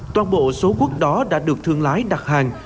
toàn bộ số quốc đó đã được thương lái đặt hàng